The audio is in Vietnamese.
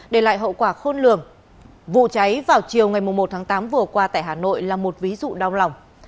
để lại hậu quả khôn lường vụ cháy vào chiều ngày một tháng tám vừa qua tại hà nội là một ví dụ đau lòng